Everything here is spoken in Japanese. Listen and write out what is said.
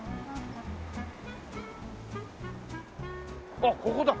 あっここだ。